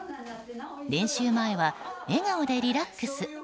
練習前は笑顔でリラックス。